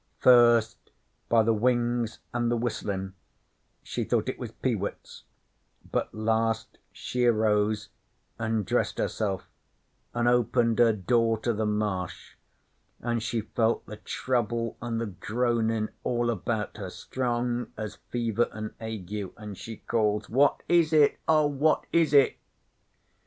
'First, by the wings an' the whistlin', she thought it was peewits, but last she arose an' dressed herself, an' opened her door to the Marsh, an' she felt the Trouble an' the Groanin' all about her, strong as fever an' ague, an' she calls: "What is it? Oh, what is it?"